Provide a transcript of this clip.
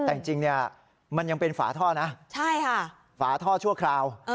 แต่จริงจริงเนี้ยมันยังเป็นฝาท่อนะใช่ค่ะฝาท่อชั่วคราวเออ